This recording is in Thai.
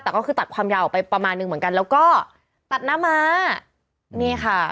แต่ก็คือตัดความยาวออกไปประมาณนึงเหมือนกันแล้วก็ตัดหน้าม้านี่ค่ะ